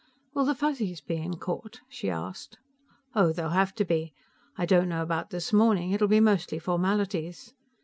"Will the Fuzzies be in court?" she asked. "Oh, they'll have to be. I don't know about this morning; it'll be mostly formalities."